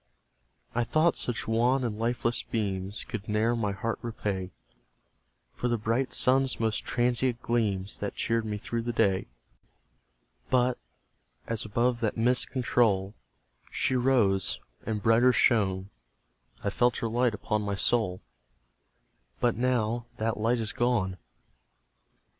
I thought such wan and lifeless beams Could ne'er my heart repay For the bright sun's most transient gleams That cheered me through the day: But, as above that mist's control She rose, and brighter shone, I felt her light upon my soul; But now that light is gone!